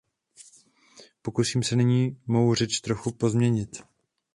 Pokusím se nyní mou řeč trochu pozměnit.